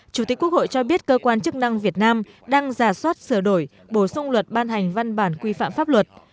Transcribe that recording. chủ tịch quốc hội cho biết cơ quan chức năng việt nam đang giả soát sửa đổi bổ sung luật ban hành văn bản quy phạm pháp luật